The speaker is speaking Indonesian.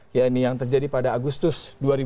ya ini yang terjadi pada agustus dua ribu enam belas